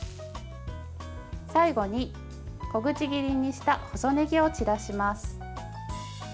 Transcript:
最後に、小口切りにした細ねぎを散らします。